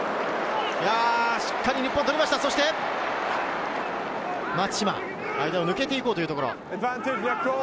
しっかり日本が取りました、そして松島、間を抜けていこうというところ。